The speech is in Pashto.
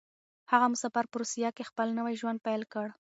هغه مسافر په روسيه کې خپل نوی ژوند پيل کړ.